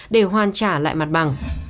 để hoàn trả lại mặt bằng